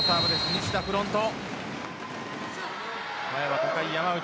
西田、フロント。